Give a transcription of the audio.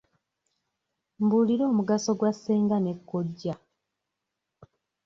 Mbuulira omugaso gwa ssenga ne kojja?